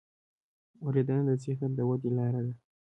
اورېدنه د ذهن د ودې لاره ده.